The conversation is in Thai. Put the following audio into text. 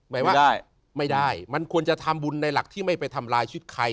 ไม่ได้ไม่ได้มันควรจะทำบุญในหลักที่ไม่ไปทำลายชุดใคร